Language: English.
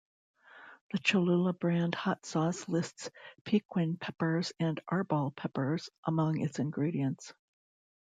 The Cholula brand hot sauce lists piquin peppers and arbol peppers among its ingredients.